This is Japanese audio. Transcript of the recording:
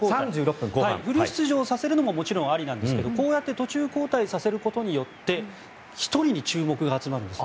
フル出場させるのももちろんありなんですがこうやって途中交代させることによって１人に注目が集まるんです。